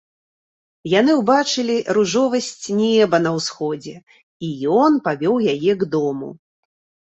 Яны ўбачылі ружовасць неба на ўсходзе, і ён павёў яе к дому.